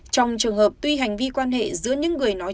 trong trường hợp tuy hành vi quan hệ giữa những người nói trả lời